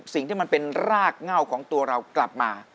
สิ่งที่มันเป็นรากเง่าของตัวเรากลับมา